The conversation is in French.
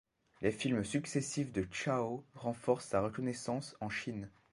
Les films successifs de Chao renforcent sa reconnaissance en Chine.